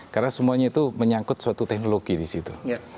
karena semuanya itu menyangkut suatu teknologi di situ